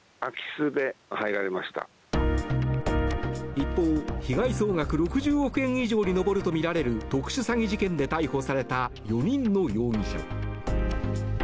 一方、被害総額６０億円以上に上るとみられる特殊詐欺事件で逮捕された４人の容疑者。